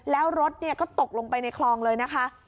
แล้วรถก็ตกลงไปในคลองเลยนะคะ